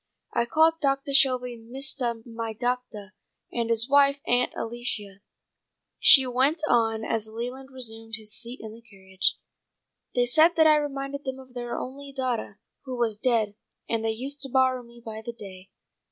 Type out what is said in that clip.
I called Doctah Shelby 'Mistah my doctah' and his wife 'Aunt Alicia,'" she went on as Leland resumed his seat in the carriage. "They said that I reminded them of their only daughtah, who was dead, and they used to borrow me by the day.